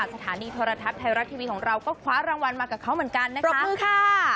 สถานีโทรทัศน์ไทยรัฐทีวีของเราก็คว้ารางวัลมากับเขาเหมือนกันนะครับขอบคุณค่ะ